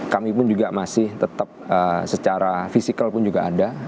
kami pun juga masih tetap secara fisikal pun juga ada